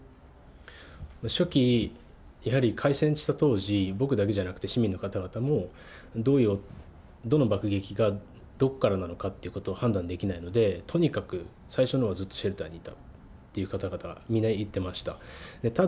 初期、やはり開戦した当時、僕だけじゃなくて、市民の方々も、どの爆撃がどっからなのかっていうことが判断できないので、とにかく最初のほうはずっとシェルターにいたということはみんな言ってました。